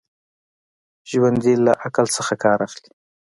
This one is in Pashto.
ژوندي له عقل نه کار اخلي